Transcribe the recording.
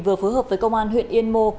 vừa phối hợp với công an huyện yên mô